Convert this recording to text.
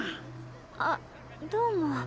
あっどうも。